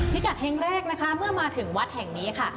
พิกัดเฮงแรกนะคะเมื่อมาถึงวัดแห่งนี้ค่ะ